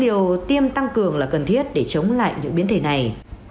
điều tiêm tăng cường là cần thiết để chống lại những biến thể này